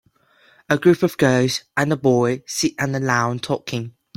A group of girls and a boy sit on the lawn talking.